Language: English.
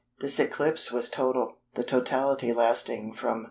This eclipse was total, the totality lasting from 9h.